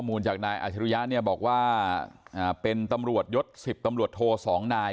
จากนายอาชิริยะเนี่ยบอกว่าเป็นตำรวจยศ๑๐ตำรวจโทสองนาย